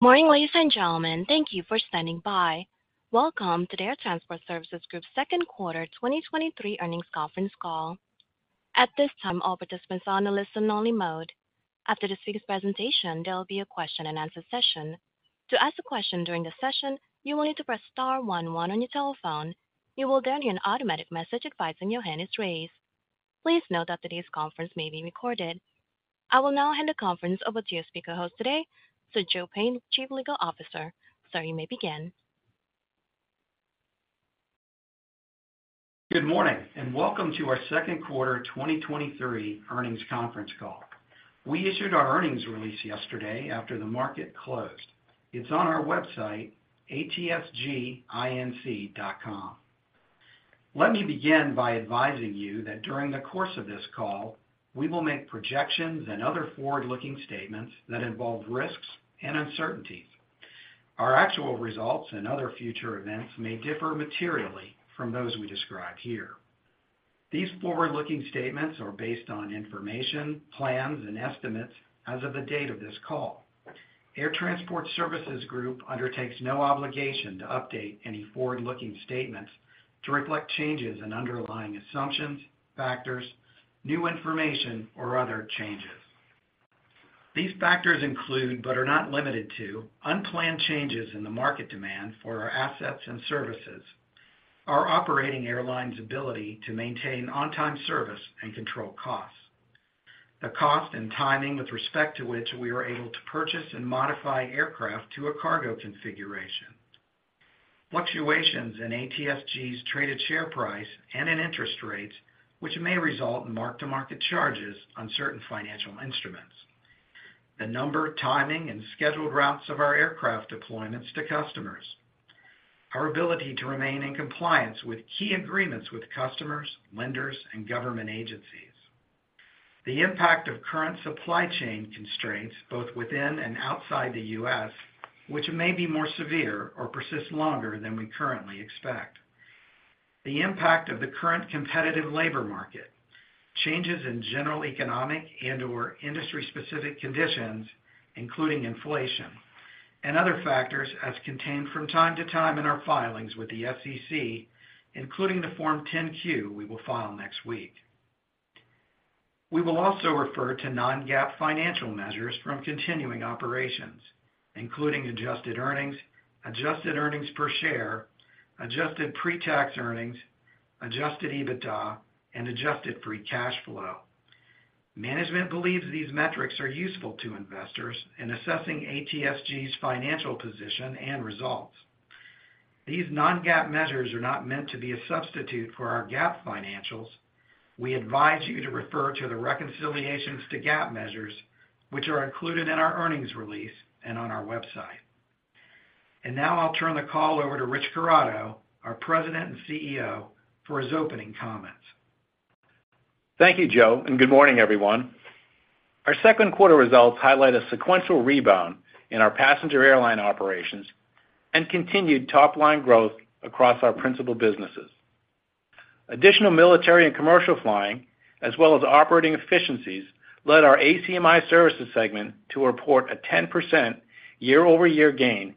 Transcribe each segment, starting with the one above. Morning, ladies and gentlemen. Thank you for standing by. Welcome to the Air Transport Services Group Q2 2023 earnings conference call. At this time, all participants are on a listen only mode. After this week's presentation, there will be a question-and-answer session. To ask a question during the session, you will need to press star 11 on your telephone. You will then hear an automatic message advising your hand is raised. Please note that today's conference may be recorded. I will now hand the conference over to your speaker host today, Joe Payne, Chief Legal Officer. Sir, you may begin. Good morning, welcome to our Q2 2023 earnings conference call. We issued our earnings release yesterday after the market closed. It's on our website, atsginc.com. Let me begin by advising you that during the course of this call, we will make projections and other forward-looking statements that involve risks and uncertainties. Our actual results and other future events may differ materially from those we describe here. These forward-looking statements are based on information, plans, and estimates as of the date of this call. Air Transport Services Group undertakes no obligation to update any forward-looking statements to reflect changes in underlying assumptions, factors, new information, or other changes. These factors include, but are not limited to, unplanned changes in the market demand for our assets and services, our operating airline's ability to maintain on-time service and control costs. The cost and timing with respect to which we are able to purchase and modify aircraft to a cargo configuration. Fluctuations in ATSG's traded share price and in interest rates, which may result in mark-to-market charges on certain financial instruments. The number, timing, and scheduled routes of our aircraft deployments to customers. Our ability to remain in compliance with key agreements with customers, lenders, and government agencies. The impact of current supply chain constraints, both within and outside the US, which may be more severe or persist longer than we currently expect. The impact of the current competitive labor market, changes in general economic and/or industry-specific conditions, including inflation, and other factors as contained from time to time in our filings with the SEC, including the Form 10-Q we will file next week. We will also refer to non-GAAP financial measures from continuing operations, including adjusted earnings, adjusted earnings per share, adjusted pre-tax earnings, Adjusted EBITDA, and adjusted free cash flow. Management believes these metrics are useful to investors in assessing ATSG's financial position and results. These non-GAAP measures are not meant to be a substitute for our GAAP financials. We advise you to refer to the reconciliations to GAAP measures, which are included in our earnings release and on our website. Now I'll turn the call over to Rich Corrado, our President and CEO, for his opening comments. Thank you, Joe, and good morning, everyone. Our Q2 results highlight a sequential rebound in our passenger airline operations and continued top-line growth across our principal businesses. Additional military and commercial flying, as well as operating efficiencies, led our ACMI Services segment to report a 10% year-over-year gain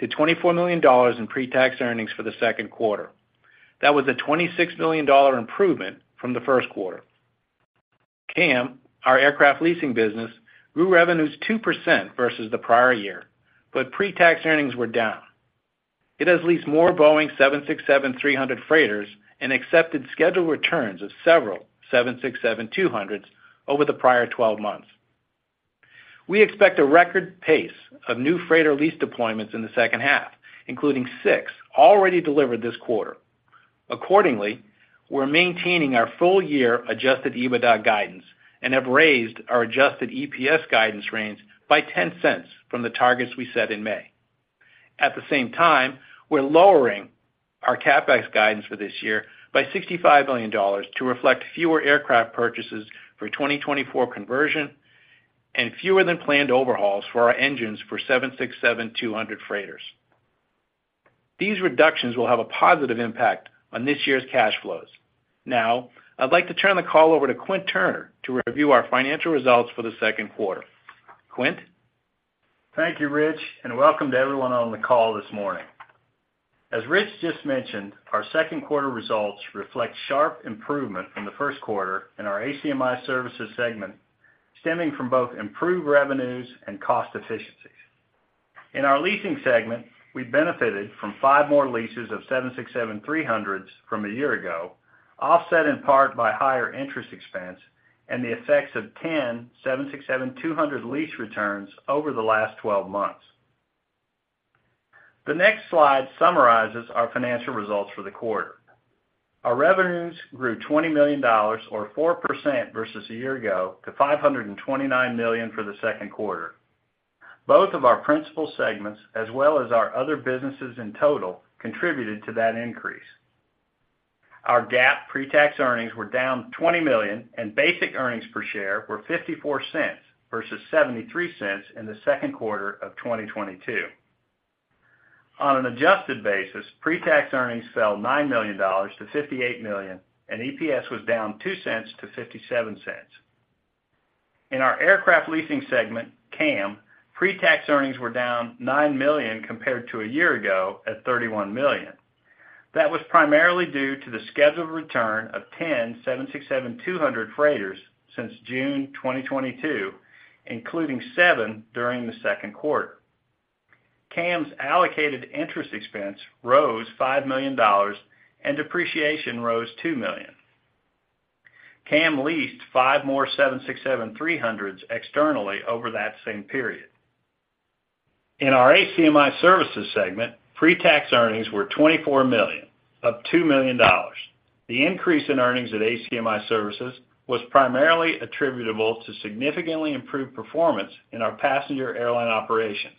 to $24 million in pre-tax earnings for the Q2. That was a $26 million improvement from the Q1. CAM, our aircraft leasing business, grew revenues 2% versus the prior year, but pre-tax earnings were down. It has leased more Boeing 767-300 freighters and accepted scheduled returns of several 767-200s over the prior 12 months. We expect a record pace of new freighter lease deployments in the second half, including six already delivered this quarter. Accordingly, we're maintaining our full year Adjusted EBITDA guidance and have raised our Adjusted EPS guidance range by $0.10 from the targets we set in May. At the same time, we're lowering our CapEx guidance for this year by $65 million to reflect fewer aircraft purchases for 2024 conversion and fewer than planned overhauls for our engines for 767-200 freighters. These reductions will have a positive impact on this year's cash flows. Now, I'd like to turn the call over to Quint Turner to review our financial results for the Q2. Quint? Thank you, Rich. Welcome to everyone on the call this morning. As Rich just mentioned, our Q2 results reflect sharp improvement from the Q1 in our ACMI services segment, stemming from both improved revenues and cost efficiencies. In our leasing segment, we benefited from 5 more leases of 767-300s from a year ago, offset in part by higher interest expense and the effects of 10 767-200 lease returns over the last 12 months. The next slide summarizes our financial results for the quarter. Our revenues grew $20 million or 4% versus a year ago to $529 million for the Q2. Both of our principal segments, as well as our other businesses in total, contributed to that increase. Our GAAP pre-tax earnings were down $20 million, and basic earnings per share were $0.54 versus $0.73 in the Q2 of 2022. On an adjusted basis, pre-tax earnings fell $9 million to $58 million, and EPS was down $0.02 to $0.57. In our aircraft leasing segment, CAM, pre-tax earnings were down $9 million compared to a year ago at $31 million. That was primarily due to the scheduled return of 10 767-200 freighters since June 2022, including 7 during the Q2. CAM's allocated interest expense rose $5 million, and depreciation rose $2 million. CAM leased 5 more 767-300s externally over that same period. In our ACMI Services segment, pre-tax earnings were $24 million, up $2 million. The increase in earnings at ACMI Services was primarily attributable to significantly improved performance in our passenger airline operations,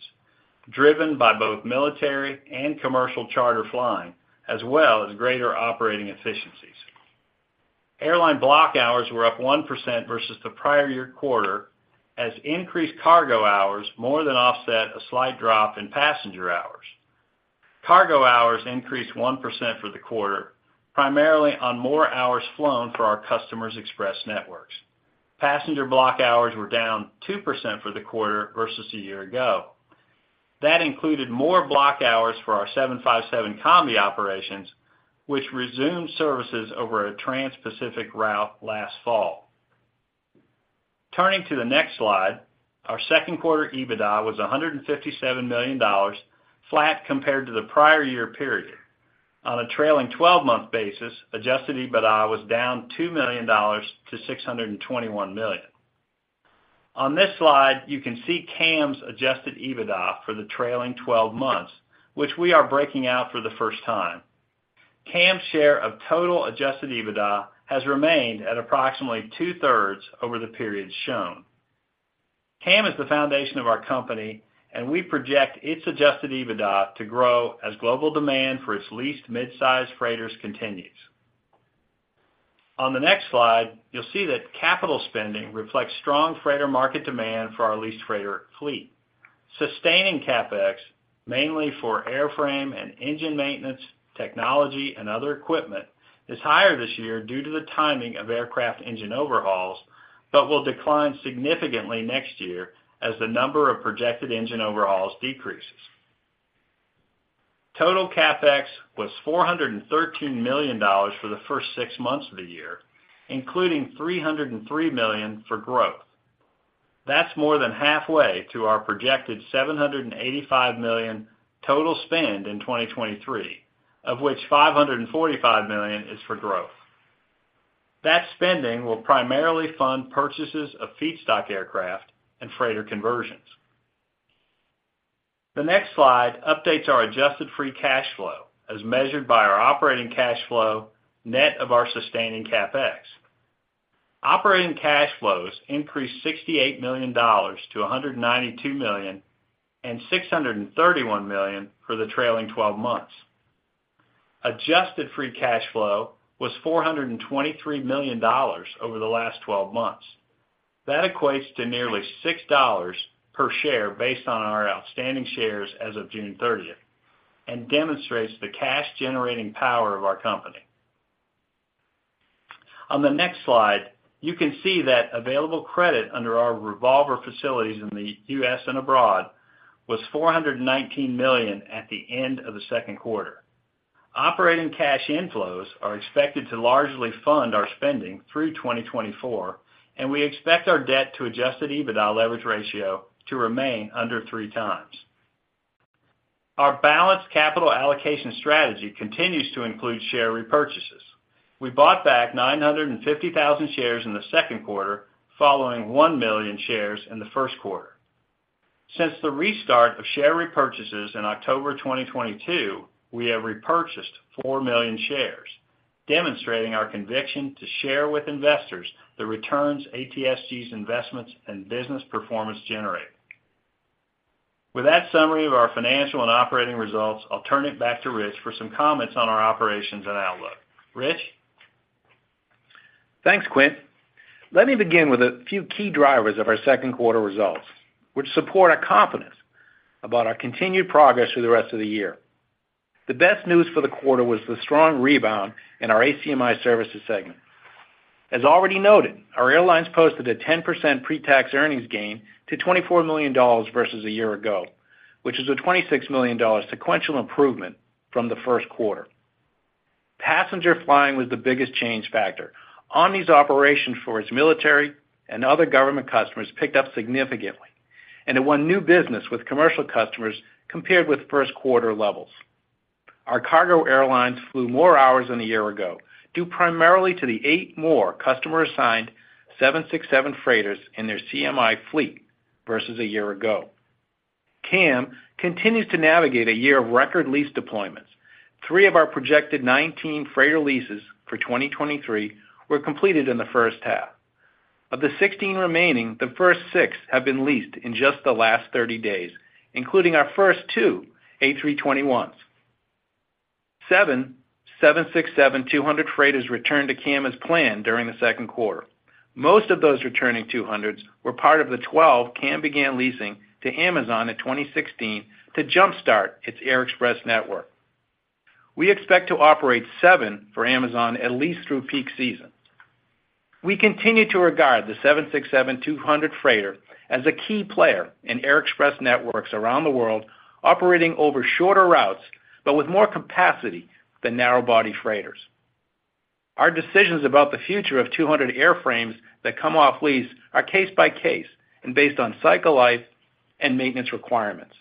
driven by both military and commercial charter flying, as well as greater operating efficiencies. Airline block hours were up 1% versus the prior year quarter, as increased cargo hours more than offset a slight drop in passenger hours. Cargo hours increased 1% for the quarter, primarily on more hours flown for our customers' express networks. Passenger block hours were down 2% for the quarter versus a year ago. That included more block hours for our 757 combi operations, which resumed services over a trans-Pacific route last fall. Turning to the next slide, our Q2 EBITDA was $157 million, flat compared to the prior year period. On a trailing 12-month basis, Adjusted EBITDA was down $2 million to $621 million. On this slide, you can see CAM's Adjusted EBITDA for the trailing 12 months, which we are breaking out for the first time. CAM's share of total Adjusted EBITDA has remained at approximately two-thirds over the period shown. CAM is the foundation of our company, and we project its Adjusted EBITDA to grow as global demand for its leased mid-size freighters continues. On the next slide, you'll see that capital spending reflects strong freighter market demand for our leased freighter fleet. Sustaining CapEx, mainly for airframe and engine maintenance, technology, and other equipment, is higher this year due to the timing of aircraft engine overhauls, but will decline significantly next year as the number of projected engine overhauls decreases. Total CapEx was $413 million for the first six months of the year, including $303 million for growth. That's more than halfway to our projected $785 million total spend in 2023, of which $545 million is for growth. That spending will primarily fund purchases of feedstock aircraft and freighter conversions. The next slide updates our adjusted free cash flow, as measured by our operating cash flow, net of our sustaining CapEx. Operating cash flows increased $68 million to $192 million and $631 million for the trailing twelve months. Adjusted free cash flow was $423 million over the last twelve months. That equates to nearly $6 per share based on our outstanding shares as of June 30th, and demonstrates the cash-generating power of our company. On the next slide, you can see that available credit under our revolver facilities in the US and abroad was $419 million at the end of the Q2. Operating cash inflows are expected to largely fund our spending through 2024, we expect our debt to Adjusted EBITDA leverage ratio to remain under 3 times. Our balanced capital allocation strategy continues to include share repurchases. We bought back 950,000 shares in the Q2, following 1 million shares in the Q1. Since the restart of share repurchases in October 2022, we have repurchased 4 million shares, demonstrating our conviction to share with investors the returns ATSG's investments and business performance generate. With that summary of our financial and operating results, I'll turn it back to Rich for some comments on our operations and outlook. Rich? Thanks, Quint. Let me begin with a few key drivers of our Q2 results, which support our confidence about our continued progress through the rest of the year. The best news for the quarter was the strong rebound in our ACMI Services segment. As already noted, our airlines posted a 10% pre-tax earnings gain to $24 million versus a year ago, which is a $26 million sequential improvement from the Q1. Passenger flying was the biggest change factor. Omni's operation for its military and other government customers picked up significantly, and it won new business with commercial customers, compared with Q1 levels. Our cargo airlines flew more hours than a year ago, due primarily to the eight more customer-assigned 767 freighters in their CMI fleet versus a year ago. CAM continues to navigate a year of record lease deployments. 3 of our projected 19 freighter leases for 2023 were completed in the first half. Of the 16 remaining, the first 6 have been leased in just the last 30 days, including our first 2 A321s. 7 767-200 freighters returned to CAM as planned during the Q2. Most of those returning 200s were part of the 12 CAM began leasing to Amazon in 2016 to jumpstart its air express network. We expect to operate 7 for Amazon, at least through peak season. We continue to regard the 767-200 freighter as a key player in air express networks around the world, operating over shorter routes, but with more capacity than narrow-body freighters. Our decisions about the future of 200 airframes that come off lease are case by case and based on cycle life and maintenance requirements.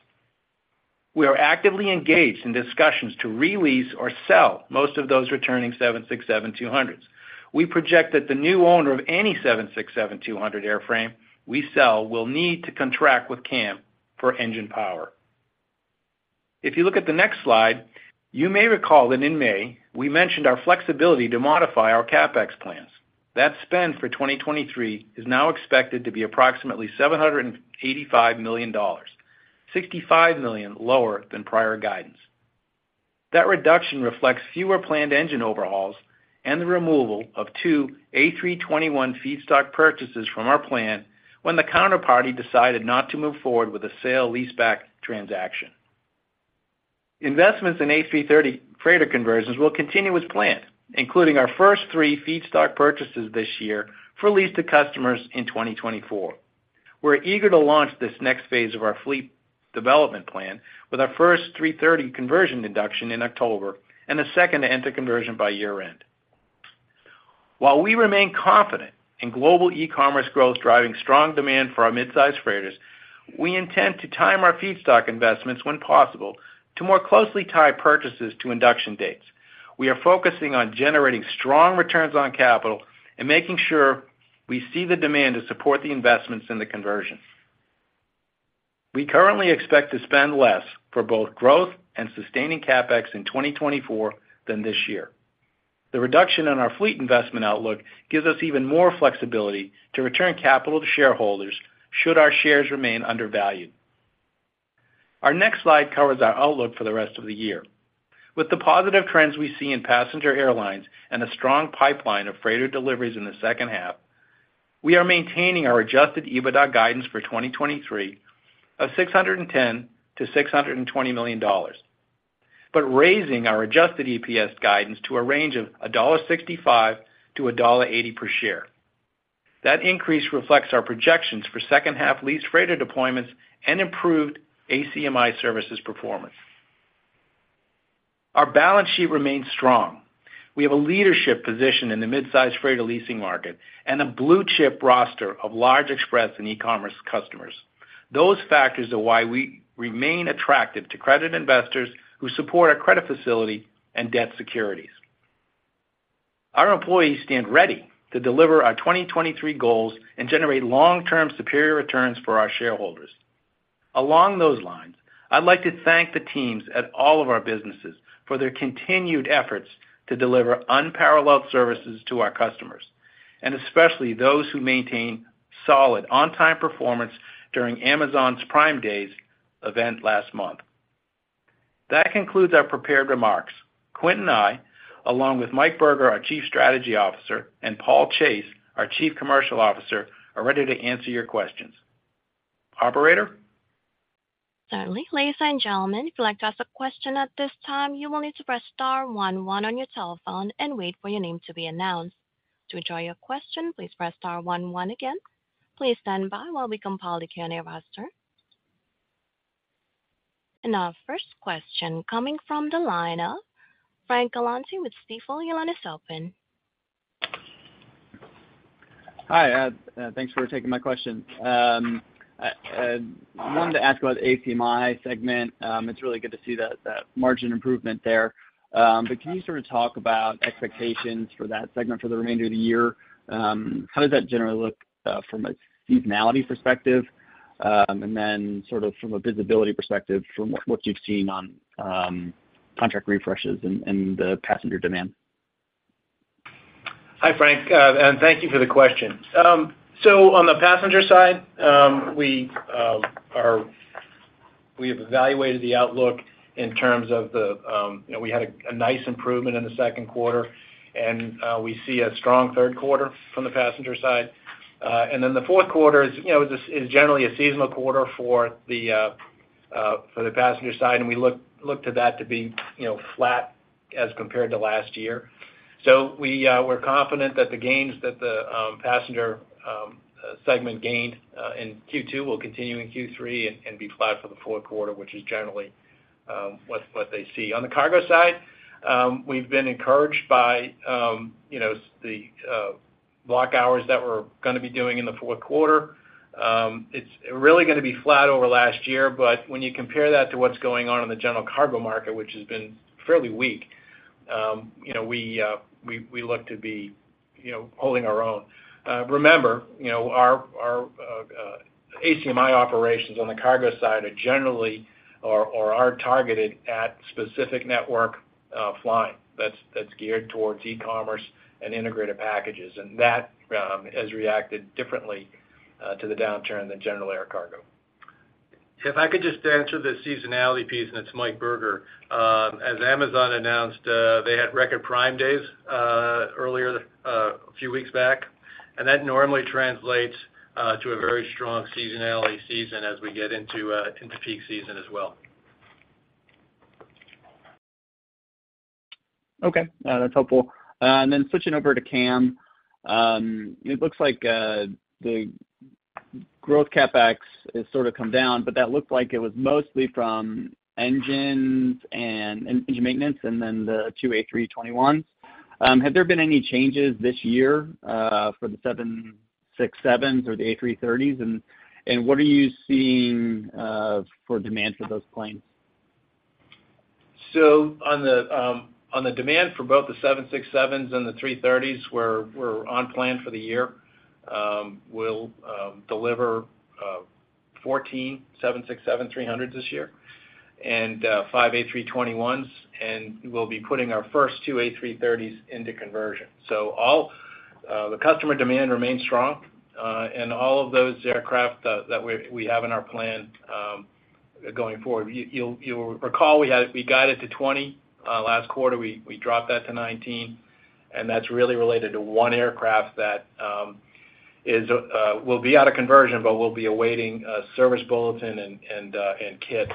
We are actively engaged in discussions to re-lease or sell most of those returning 767-200s. We project that the new owner of any 767-200 airframe we sell will need to contract with CAM for engine power. If you look at the next slide, you may recall that in May, we mentioned our flexibility to modify our CapEx plans. That spend for 2023 is now expected to be approximately $785 million, $65 million lower than prior guidance. That reduction reflects fewer planned engine overhauls and the removal of two A321 feedstock purchases from our plan when the counterparty decided not to move forward with a sale-leaseback transaction. Investments in A330 freighter conversions will continue as planned, including our first three feedstock purchases this year for lease to customers in 2024. We're eager to launch this next phase of our fleet development plan with our first A330 conversion induction in October and a second into conversion by year-end. While we remain confident in global e-commerce growth, driving strong demand for our midsize freighters, we intend to time our feedstock investments when possible, to more closely tie purchases to induction dates. We are focusing on generating strong returns on capital and making sure we see the demand to support the investments in the conversions. We currently expect to spend less for both growth and sustaining CapEx in 2024 than this year. The reduction in our fleet investment outlook gives us even more flexibility to return capital to shareholders, should our shares remain undervalued. Our next slide covers our outlook for the rest of the year. With the positive trends we see in passenger airlines and a strong pipeline of freighter deliveries in the second half, we are maintaining our Adjusted EBITDA guidance for 2023 of $610 million to 620 million, but raising our Adjusted EPS guidance to a range of $1.65 to 1.80 per share. That increase reflects our projections for second-half lease freighter deployments and improved ACMI services performance. Our balance sheet remains strong. We have a leadership position in the mid-size freighter leasing market and a blue-chip roster of large express and e-commerce customers. Those factors are why we remain attractive to credit investors who support our credit facility and debt securities. Our employees stand ready to deliver our 2023 goals and generate long-term superior returns for our shareholders. Along those lines, I'd like to thank the teams at all of our businesses for their continued efforts to deliver unparalleled services to our customers, and especially those who maintain solid on-time performance during Amazon's Prime Day event last month. That concludes our prepared remarks. Quint and I, along with Mike Berger, our Chief Strategy Officer, and Paul Chase, our Chief Commercial Officer, are ready to answer your questions. Operator? Certainly. Ladies and gentlemen, if you'd like to ask a question at this time, you will need to press star one one on your telephone and wait for your name to be announced. To enjoy your question, please press star one one again. Please stand by while we compile the Q&A roster. Our first question coming from the line of Frank Galanti with Stifel, your line is open. Hi, thanks for taking my question. I wanted to ask about the ACMI segment. It's really good to see that, that margin improvement there. Can you sort of talk about expectations for that segment for the remainder of the year? How does that generally look from a seasonality perspective, and then sort of from a visibility perspective, from what, what you've seen on contract refreshes and the passenger demand? Hi, Frank, and thank you for the question. On the passenger side, we are -- we have evaluated the outlook in terms of the, you know, we had a nice improvement in the Q2, and we see a strong Q3 from the passenger side. The Q4 is, you know, this is generally a seasonal quarter for the passenger side, and we look to that to be, you know, flat as compared to last year. We're confident that the gains that the passenger segment gained in Q2 will continue in Q3 and be flat for the Q4, which is generally what they see. On the cargo side, we've been encouraged by, you know, the block hours that we're gonna be doing in the Q4. It's really gonna be flat over last year, but when you compare that to what's going on in the general cargo market, which has been fairly weak, you know, we, we, we look to be, you know, holding our own. Remember, you know, our, our ACMI operations on the cargo side are generally or, or are targeted at specific network, flying that's, that's geared towards e-commerce and integrated packages, and that has reacted differently to the downturn than general air cargo. If I could just answer the seasonality piece, and it's Mike Berger. As Amazon announced, they had record Prime Days earlier, a few weeks back. That normally translates to a very strong seasonality season as we get into peak season as well. Okay, that's helpful. Then switching over to CAM. It looks like the growth CapEx has sort of come down, but that looked like it was mostly from engines and engine maintenance and then the 2 A321s. Have there been any changes this year for the 767s or the A330s? What are you seeing for demand for those planes? On the demand for both the 767s and the A330s, we're, we're on plan for the year. We'll deliver 14 767-300s this year, and 5 A321s, and we'll be putting our 2 A330s into conversion. All the customer demand remains strong, and all of those aircraft that, that we, we have in our plan going forward. You, you'll, you'll recall, we had- we guided to 20 last quarter, we, we dropped that to 19, and that's really related to 1 aircraft that is will be out of conversion, but we'll be awaiting a service bulletin and, and kit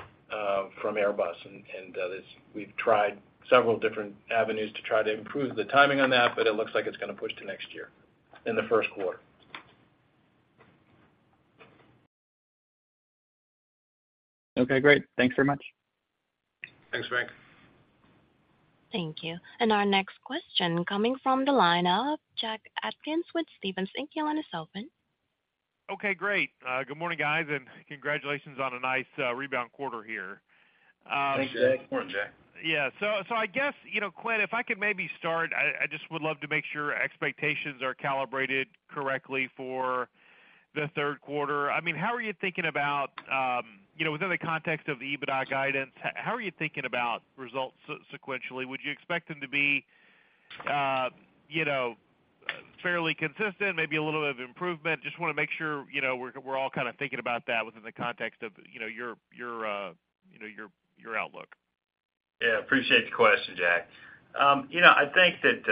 from Airbus. We've tried several different avenues to try to improve the timing on that, but it looks like it's going to push to next year, in the Q1. Okay, great. Thanks very much. Thanks, Mike. Thank you. Our next question coming from the line of Jack Atkins with Stephens Inc. Your line is open. Okay, great. Good morning, guys. Congratulations on a nice rebound quarter here. Thanks, Jack. Good morning, Jack. I guess, you know, Quinn, if I could maybe start, I, I just would love to make sure expectations are calibrated correctly for the Q3. I mean, how are you thinking about, you know, within the context of the EBITDA guidance, how are you thinking about results sequentially? Would you expect them to be, you know, fairly consistent, maybe a little bit of improvement? Just want to make sure, you know, we're, we're all kind of thinking about that within the context of, you know, your, your, you know, your, your outlook. Yeah, appreciate the question, Jack. You know, I think that,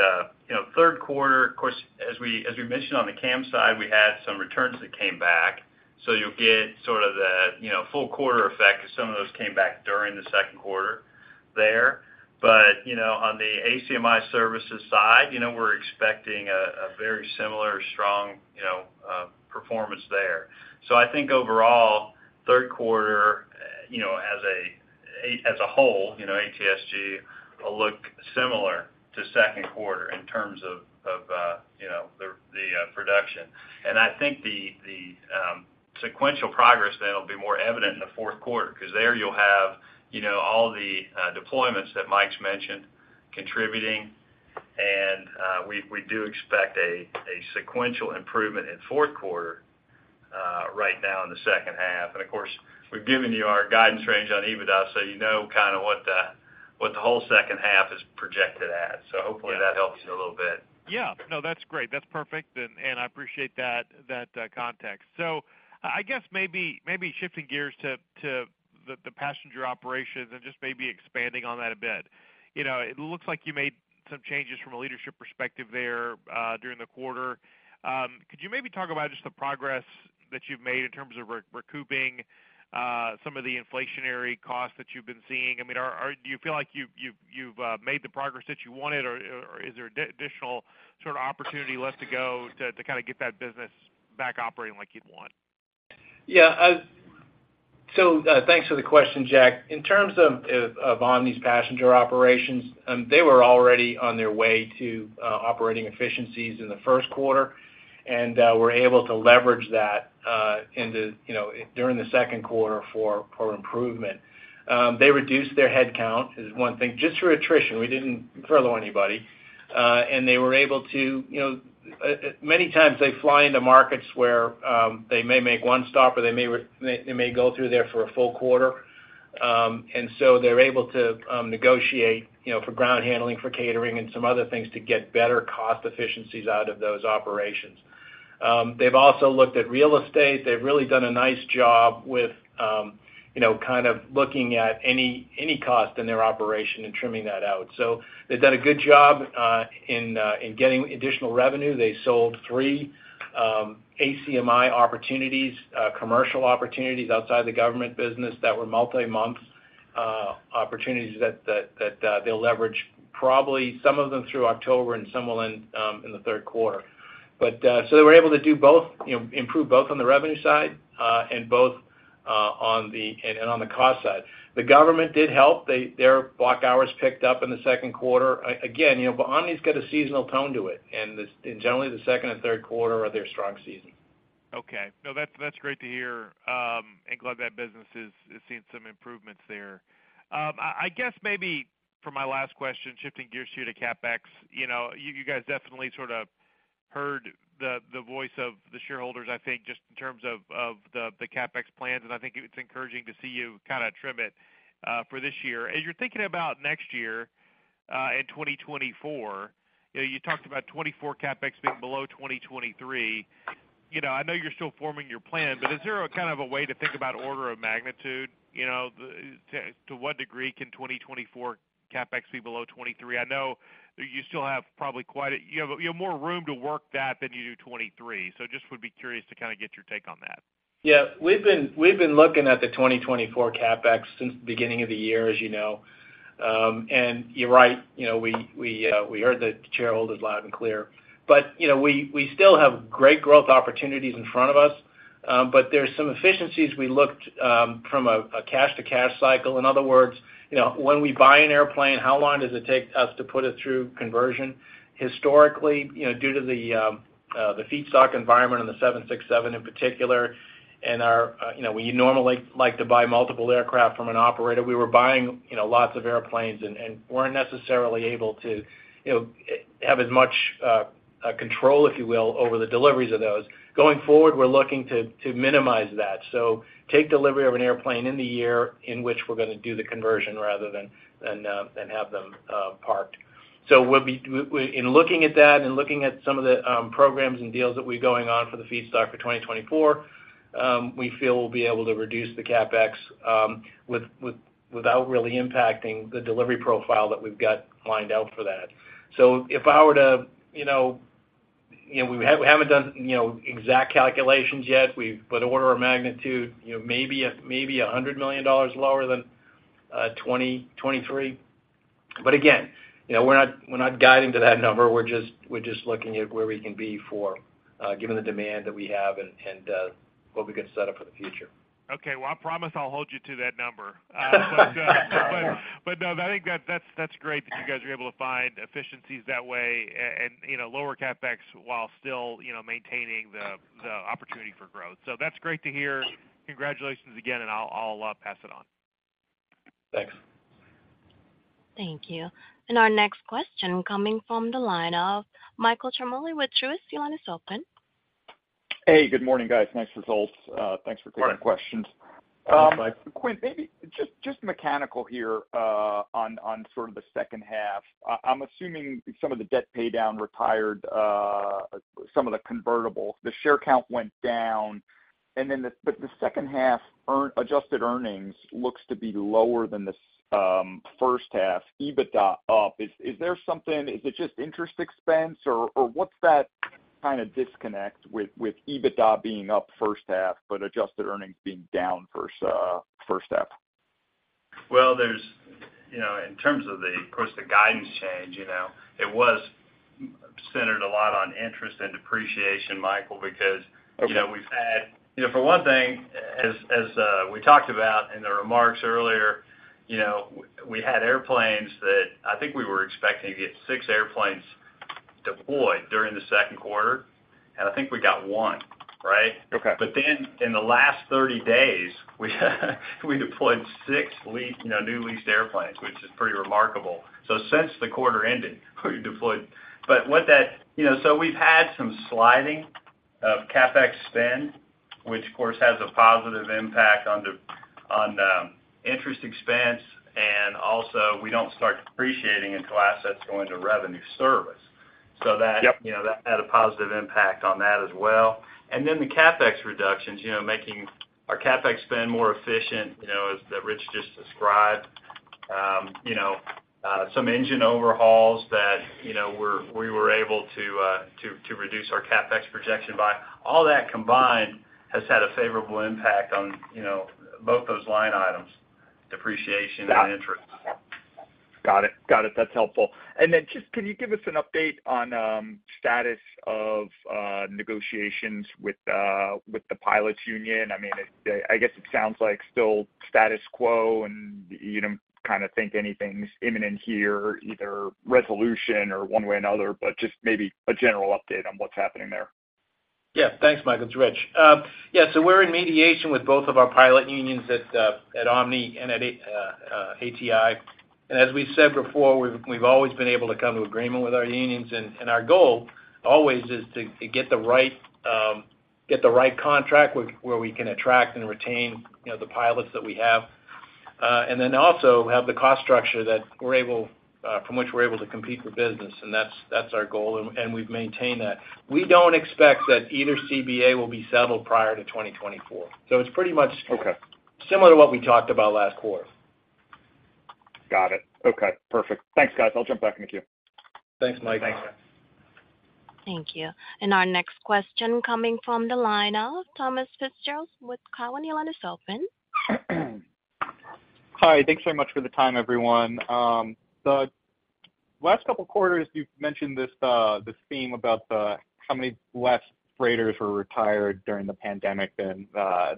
you know, Q3, of course, as we, as we mentioned on the CAM side, we had some returns that came back, so you'll get sort of the, you know, full quarter effect, because some of those came back during the Q2 there. On the ACMI Services side, you know, we're expecting a very similar strong, you know, performance there. I think overall, Q3, you know, as a whole, you know, ATSG will look similar to Q2 in terms of, you know, the production. I think the, the sequential progress then will be more evident in the Q4, because there you'll have, you know, all the deployments that Mike's mentioned contributing, and we, we do expect a sequential improvement in Q4 right now in the second half. Of course, we've given you our guidance range on EBITDA, so you know kind of what the, what the whole second half is projected at. Hopefully that helps you a little bit. Yeah. No, that's great. That's perfect, and I appreciate that, that context. I guess maybe, maybe shifting gears to, to the, the passenger operations and just maybe expanding on that a bit. You know, it looks like you made some changes from a leadership perspective there during the quarter. Could you maybe talk about just the progress that you've made in terms of recouping some of the inflationary costs that you've been seeing? I mean, do you feel like you've, you've, you've made the progress that you wanted, or, or is there additional sort of opportunity left to go to, to kind of get that business back operating like you'd want? Yeah, thanks for the question, Jack. In terms of Omni's passenger operations, they were already on their way to operating efficiencies in the Q1, we're able to leverage that, in the, you know, during the Q2 for, for improvement. They reduced their headcount, is one thing, just through attrition. We didn't furlough anybody, they were able to, you know. Many times they fly into markets where they may make one stop, or they may, they may go through there for a full quarter. They're able to negotiate, you know, for ground handling, for catering, and some other things to get better cost efficiencies out of those operations. They've also looked at real estate. They've really done a nice job with, you know, kind of looking at any, any cost in their operation and trimming that out. They've done a good job in getting additional revenue. They sold 3 ACMI opportunities, commercial opportunities outside the government business that were multi-month opportunities that, that, that, they'll leverage probably some of them through October and some will end in the Q3. They were able to do both, you know, improve both on the revenue side, and both on the, and, and on the cost side. The government did help. Their block hours picked up in the Q2. Again, you know, Omni's got a seasonal tone to it, and this, and generally, the second and Q3 are their strong season. Okay. No, that's, that's great to hear, and glad that business is, is seeing some improvements there. I, I guess maybe for my last question, shifting gears here to CapEx, you know, you, you guys definitely sort of heard the, the voice of the shareholders, I think, just in terms of, of the, the CapEx plans, and I think it's encouraging to see you kind of trim it for this year. As you're thinking about next year, in 2024, you know, you talked about 2024 CapEx being below 2023. You know, I know you're still forming your plan, but is there a kind of a way to think about order of magnitude? You know, the, to, to what degree can 2024 CapEx be below 2023? I know you still have probably you have, you have more room to work that than you do 2023. Just would be curious to kind of get your take on that. Yeah, we've been, we've been looking at the 2024 CapEx since the beginning of the year, as you know. You're right, you know, we, we, we heard the shareholders loud and clear. You know, we, we still have great growth opportunities in front of us, but there's some efficiencies we looked, from a, a cash-to-cash cycle. In other words, you know, when we buy an airplane, how long does it take us to put it through conversion? Historically, you know, due to the, the feedstock environment on the 767 in particular, and our... You know, we normally like to buy multiple aircraft from an operator. We were buying, you know, lots of airplanes and, and weren't necessarily able to, you know, have as much, control, if you will, over the deliveries of those. Going forward, we're looking to, to minimize that. Take delivery of an airplane in the year in which we're going to do the conversion rather than, than, than have them parked. In looking at that and looking at some of the programs and deals that we've going on for the feedstock for 2024, we feel we'll be able to reduce the CapEx without really impacting the delivery profile that we've got lined out for that. If I were to, you know, you know, we haven't done, you know, exact calculations yet. Order of magnitude, you know, maybe a, maybe $100 million lower than 2023. Again, you know, we're not, we're not guiding to that number. We're just, we're just looking at where we can be for, given the demand that we have and, and, what we can set up for the future. Okay. Well, I promise I'll hold you to that number. No, I think that's great that you guys are able to find efficiencies that way and, you know, lower CapEx while still, you know, maintaining the opportunity for growth. That's great to hear. Congratulations again, I'll pass it on. Thanks. Thank you. Our next question coming from the line of Michael Ciarmoli with Truist. Your line is open. Hey, good morning, guys. Nice results. Thanks for taking questions. Good morning, Mike. Quint, maybe just, just mechanical here, on, on sort of the second half. I'm assuming some of the debt paydown retired, some of the convertible. The share count went down, but the second half adjusted earnings looks to be lower than the first half, EBITDA up. Is there something, is it just interest expense, or what's that kind of disconnect with EBITDA being up first half, but adjusted earnings being down first half? Well, there's, you know, in terms of the, of course, the guidance change, you know, it was centered a lot on interest and depreciation, Michael, because- Okay... you know, we've had, you know, for one thing, as, as, we talked about in the remarks earlier, you know, we had airplanes that I think we were expecting to get 6 airplanes deployed during the Q2, and I think we got 1, right? Okay. Then in the last 30 days, we deployed 6 lease, you know, new leased airplanes, which is pretty remarkable. Since the quarter ended, we deployed. You know, so we've had some sliding of CapEx spend, which of course has a positive impact on the, on the interest expense, and also, we don't start depreciating until assets go into revenue service. Yep. That, you know, that had a positive impact on that as well. Then the CapEx reductions, you know, making our CapEx spend more efficient, you know, as Rich just described. You know, some engine overhauls that, you know, we were able to reduce our CapEx projection by. All that combined has had a favorable impact on, you know, both those line items, depreciation and interest. Got it. Got it, that's helpful. Then just, can you give us an update on status of negotiations with with the pilots union? I mean, it, I guess it sounds like still status quo, and you don't kind of think anything's imminent here, either resolution or one way or another, but just maybe a general update on what's happening there. Yeah. Thanks, Michael Ciarmoli. It's Rich Corrado. Yeah, so we're in mediation with both of our pilot unions at Omni and at ATI. As we've said before, we've, we've always been able to come to agreement with our unions, and, and our goal always is to, to get the right, get the right contract where, where we can attract and retain, you know, the pilots that we have. And then also have the cost structure that we're able, from which we're able to compete for business, and that's, that's our goal, and, and we've maintained that. We don't expect that either CBA will be settled prior to 2024. So it's pretty much- Okay... similar to what we talked about last quarter. Got it. Okay, perfect. Thanks, guys. I'll jump back in the queue. Thanks, Mike. Thanks. Thank you. Our next question coming from the line of Thomas Fitzgerald with Cowen. Your line is open. Hi. Thanks very much for the time, everyone. The last couple of quarters, you've mentioned this, this theme about the, how many less freighters were retired during the pandemic than,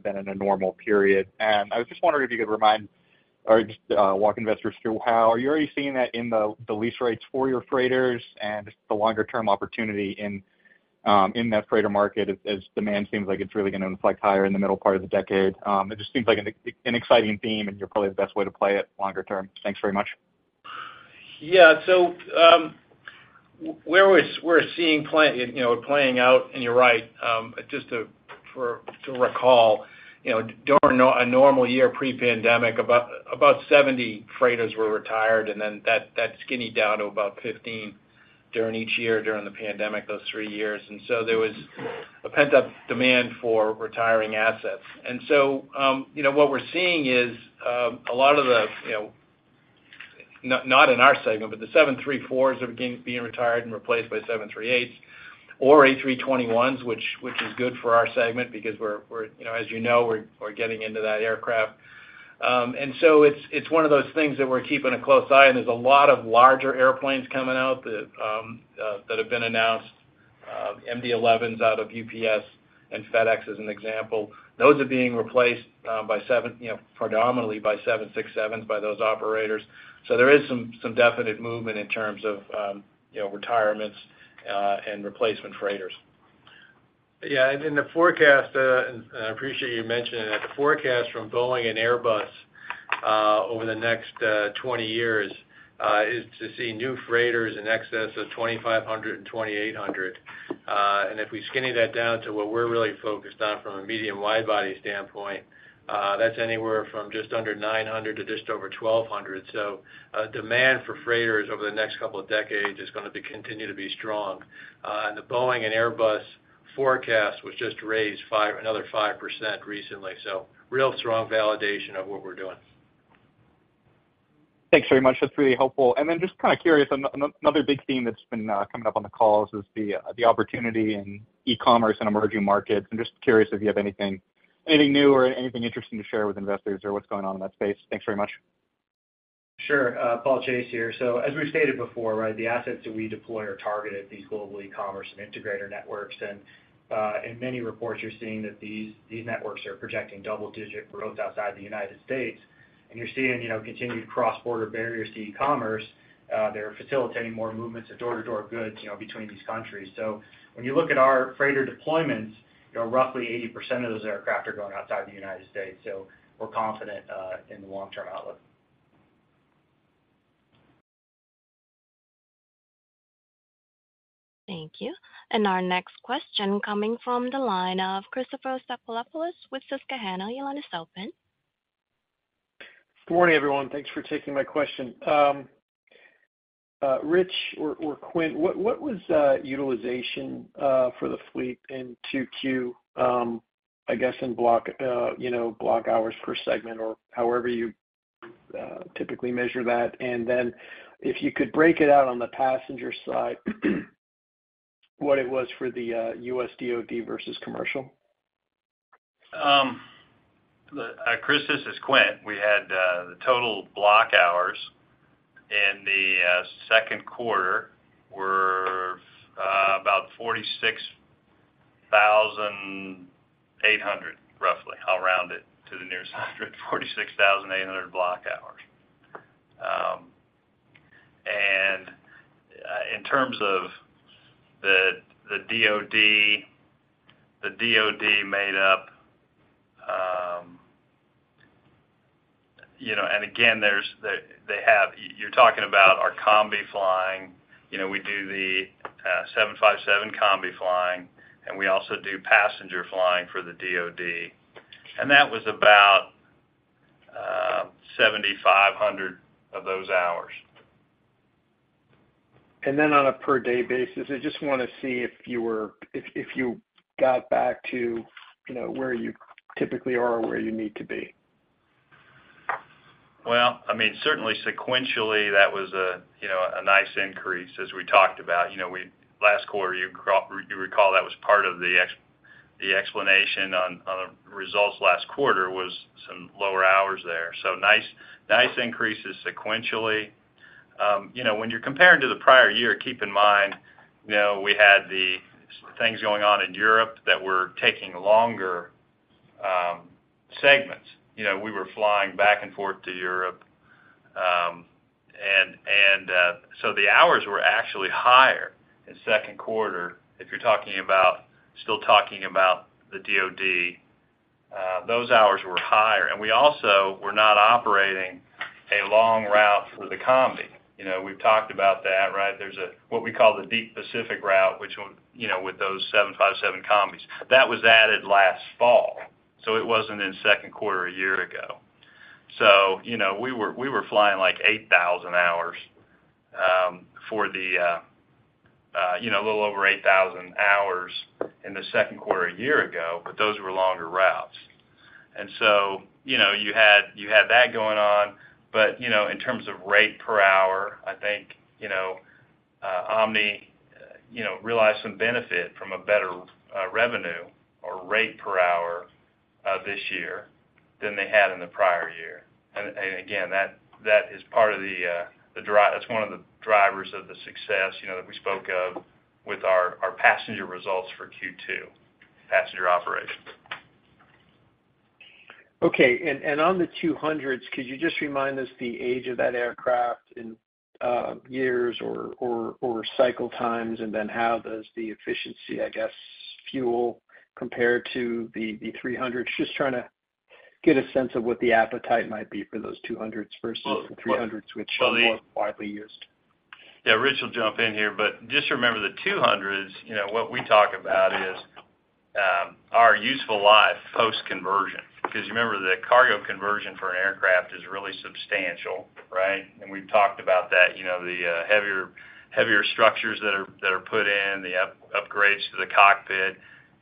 than in a normal period. I was just wondering if you could remind or just walk investors through how. Are you already seeing that in the lease rates for your freighters and the longer-term opportunity in, in that freighter market as, as demand seems like it's really going to inflect higher in the middle part of the decade? It just seems like an exciting theme, and you're probably the best way to play it longer term. Thanks very much. Yeah. Where we're, we're seeing playing, you know, playing out, and you're right, just to, for, to recall, you know, during a normal year pre-pandemic, about, about 70 freighters were retired, and then that, that skinny down to about 15 during each year, during the pandemic, those 3 years. There was a pent-up demand for retiring assets. You know, what we're seeing is, a lot of the, you know, not, not in our segment, but the 737-400s are being, being retired and replaced by 737-800s or A321s, which, which is good for our segment because we're, we're, you know, as you know, we're, we're getting into that aircraft. It's, it's one of those things that we're keeping a close eye on. There's a lot of larger airplanes coming out that have been announced, MD-11s out of UPS and FedEx, as an example. Those are being replaced, you know, predominantly by 767s by those operators. There is some, some definite movement in terms of, you know, retirements and replacement freighters. In the forecast, and I appreciate you mentioning that the forecast from Boeing and Airbus, over the next 20 years, is to see new freighters in excess of 2,500 and 2,800. If we skinny that down to what we're really focused on from a medium widebody standpoint, that's anywhere from just under 900 to just over 1,200. Demand for freighters over the next couple of decades is gonna be, continue to be strong. The Boeing and Airbus forecast was just raised 5, another 5% recently. Real strong validation of what we're doing. Thanks very much. That's really helpful. Then just kind of curious, another big theme that's been coming up on the calls is the opportunity in e-commerce and emerging markets. I'm just curious if you have anything, anything new or anything interesting to share with investors or what's going on in that space? Thanks very much. Sure, Paul Chase here. As we've stated before, right, the assets that we deploy are targeted at these global e-commerce and integrator networks. In many reports, you're seeing that these networks are projecting double-digit growth outside the United States, and you're seeing, you know, continued cross-border barriers to e-commerce. They're facilitating more movements of door-to-door goods, you know, between these countries. When you look at our freighter deployments, you know, roughly 80% of those aircraft are going outside the United States, so we're confident in the long-term outlook. Thank you. Our next question coming from the line of Christopher Stathoulopoulos with Susquehanna. Your line is open. Good morning, everyone. Thanks for taking my question. Rich or Quint, what was utilization for the fleet in 2Q? I guess in block, block hours per segment or however you typically measure that. Then if you could break it out on the passenger side, what it was for the US DoD versus commercial. Chris, this is Quint. We had the total block hours in the Q2 were about 46,800, roughly. I'll round it to the nearest hundred, 46,800 block hours. In terms of the DoD, the DoD made up, you know, you're talking about our Combi flying. You know, we do the 757 Combi flying, and we also do passenger flying for the DoD, and that was about 7,500 of those hours. Then on a per-day basis, I just want to see if you were, if you got back to, you know, where you typically are or where you need to be. Well, I mean, certainly sequentially, that was a, you know, a nice increase as we talked about. You know, we last quarter, you you recall that was part of the explanation on, on the results last quarter was some lower hours there. Nice, nice increases sequentially. You know, when you're comparing to the prior year, keep in mind, you know, we had the things going on in Europe that were taking longer, segments. You know, we were flying back and forth to Europe, and, and, so the hours were actually higher in Q2. If you're talking about, still talking about the DoD, those hours were higher. We also were not operating a long route for the combi. You know, we've talked about that, right? There's what we call the deep Pacific route, which would, you know, with those 757 combis. That was added last fall, so it wasn't in the Q2 a year ago. You know, we were, we were flying like 8,000 hours for the, you know, a little over 8,000 hours in the Q2 a year ago, but those were longer routes. You know, you had, you had that going on, but, you know, in terms of rate per hour, I think, you know, Omni, you know, realized some benefit from a better revenue or rate per hour this year than they had in the prior year. Again, that, that is part of the, that's one of the drivers of the success, you know, that we spoke of with our, our passenger results for Q2, passenger operations. Okay. On the 767-200s, could you just remind us the age of that aircraft in years or, or, or cycle times? Then how does the efficiency, I guess, fuel compare to the 767-300s? Just trying to-... get a sense of what the appetite might be for those 200s versus the 300s, which are more widely used. Yeah, Rich will jump in here, but just remember, the 200s, you know, what we talk about is our useful life post-conversion. Because remember, the cargo conversion for an aircraft is really substantial, right? And we've talked about that, you know, the heavier, heavier structures that are, that are put in, the upgrades to the cockpit.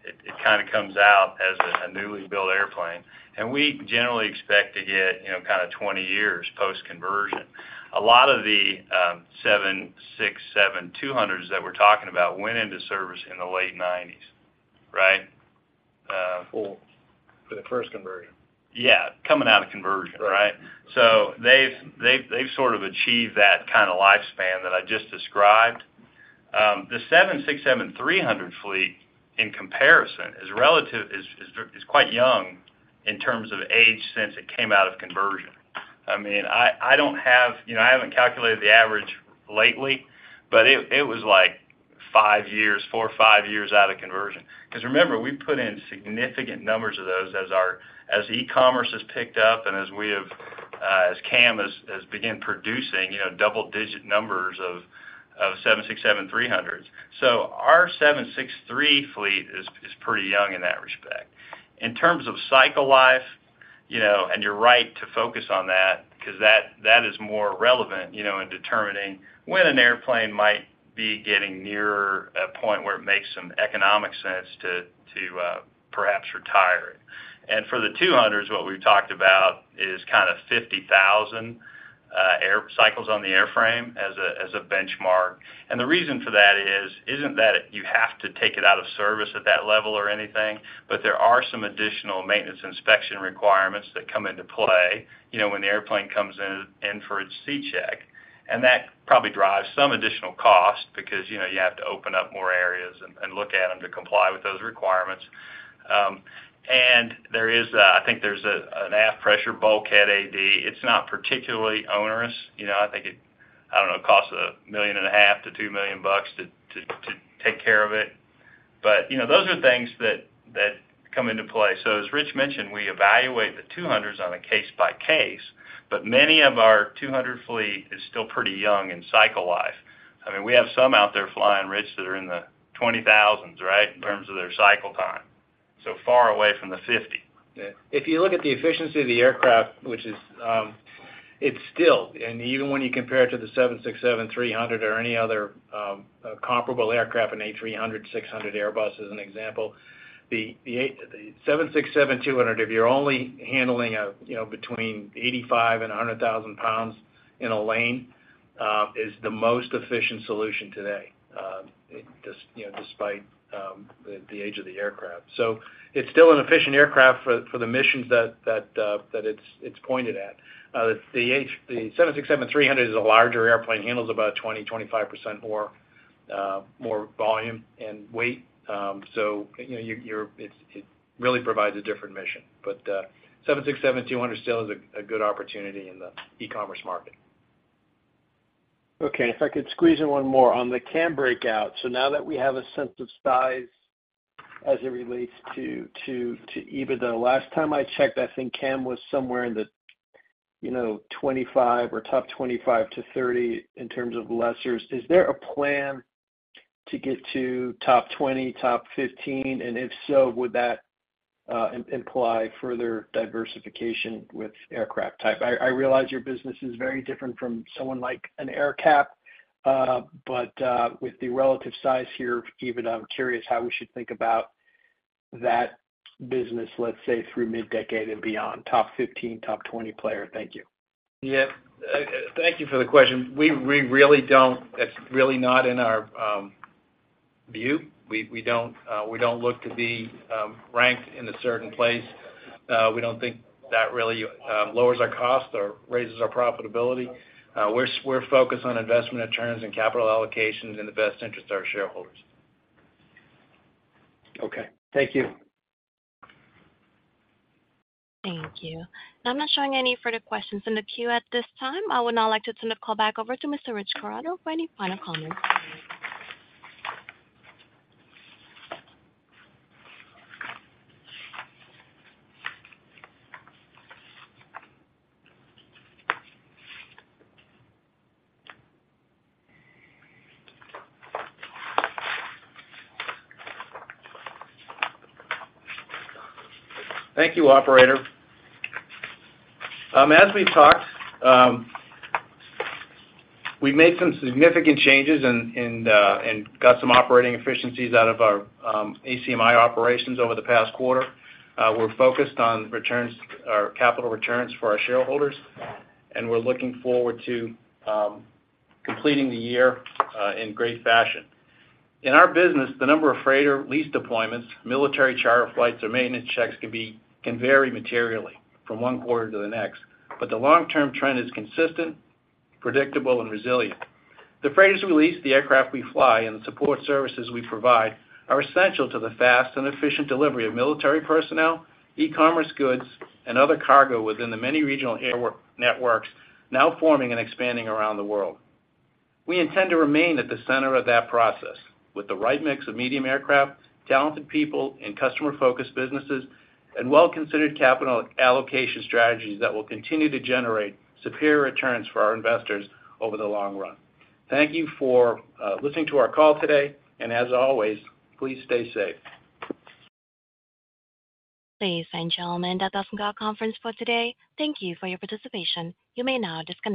It, it kind of comes out as a newly built airplane. And we generally expect to get, you know, kind of 20 years post-conversion. A lot of the 767-200s that we're talking about went into service in the late 1990s, right? Well, for the first conversion. Yeah, coming out of conversion, right? Right. They've, they've, they've sort of achieved that kind of lifespan that I just described. The 767-300 fleet, in comparison, is relative, is, is, is quite young in terms of age, since it came out of conversion. I mean, I, I don't have. You know, I haven't calculated the average lately, but it, it was, like, 5 years, 4 or 5 years out of conversion. Because, remember, we put in significant numbers of those as our-- as e-commerce has picked up, and as we have, as CAM has, has begun producing, you know, double-digit numbers of, of 767-300s. Our 763 fleet is, is pretty young in that respect. In terms of cycle life, you know, and you're right to focus on that because that, that is more relevant, you know, in determining when an airplane might be getting nearer a point where it makes some economic sense to, to, perhaps retire it. For the 200s, what we've talked about is kind of 50,000 air cycles on the airframe as a, as a benchmark. The reason for that is, isn't that you have to take it out of service at that level or anything, but there are some additional maintenance inspection requirements that come into play, you know, when the airplane comes in, in for its C check. That probably drives some additional cost because, you know, you have to open up more areas and, and look at them to comply with those requirements. There is a, I think there's a, an aft pressure bulkhead AD. It's not particularly onerous. You know, I think it, I don't know, costs $1.5 million to 2 million to take care of it. You know, those are things that come into play. As Rich mentioned, we evaluate the 767-200s on a case by case, but many of our 767-200 fleet is still pretty young in cycle life. I mean, we have some out there flying, Rich, that are in the 20,000s, right, in terms of their cycle time. Far away from the 50,000. Yeah. If you look at the efficiency of the aircraft, which is, it's still, and even when you compare it to the 767-300 or any other comparable aircraft, an A300-600 Airbus, as an example, the 767-200, if you're only handling, you know, between 85,000 and 100,000 pounds in a lane, is the most efficient solution today, just, you know, despite the age of the aircraft. It's still an efficient aircraft for, for the missions that, that it's, it's pointed at. The 767-300 is a larger airplane, handles about 20 to 25% more more volume and weight. You know, you're, it's-- it really provides a different mission. 767-200 still is a, a good opportunity in the e-commerce market. Okay, if I could squeeze in one more. On the CAM breakout, now that we have a sense of size as it relates to, to, to EBITDA, last time I checked, I think CAM was somewhere in the 25 or top 25-30 in terms of lessors. Is there a plan to get to top 20, top 15? If so, would that imply further diversification with aircraft type? I, I realize your business is very different from someone like an AerCap, but with the relative size here, even I'm curious how we should think about that business, let's say, through mid-decade and beyond, top 15, top 20 player. Thank you. Yeah. Thank you for the question. We, we really don't. It's really not in our view. We, we don't, we don't look to be ranked in a certain place. We don't think that really lowers our cost or raises our profitability. We're focused on investment returns and capital allocations in the best interest of our shareholders. Okay, thank you. Thank you. I'm not showing any further questions in the queue at this time. I would now like to turn the call back over to Mr. Rich Corrado for any final comments. Thank you, operator. As we've talked, we've made some significant changes and got some operating efficiencies out of our ACMI operations over the past quarter. We're focused on returns, or capital returns, for our shareholders, we're looking forward to completing the year in great fashion. In our business, the number of freighter lease deployments, military charter flights or maintenance checks can vary materially from one quarter to the next. The long-term trend is consistent, predictable, and resilient. The freighters we lease, the aircraft we fly, and the support services we provide are essential to the fast and efficient delivery of military personnel, e-commerce goods, and other cargo within the many regional airwork networks now forming and expanding around the world. We intend to remain at the center of that process, with the right mix of medium aircraft, talented people, and customer-focused businesses, and well-considered capital allocation strategies that will continue to generate superior returns for our investors over the long run. Thank you for listening to our call today, and as always, please stay safe. Ladies and gentlemen, that does end our conference for today. Thank you for your participation. You may now disconnect.